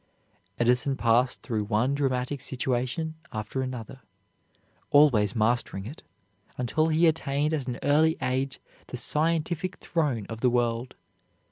Edison passed through one dramatic situation after another always mastering it until he attained at an early age the scientific throne of the world.